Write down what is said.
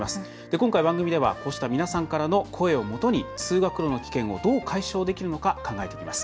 今回、番組ではこうした皆さんからの声をもとに通学路の危険をどう解消できるのか考えていきます。